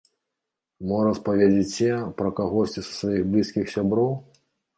Мо распаведзяце пра кагосьці са сваіх блізкіх сяброў?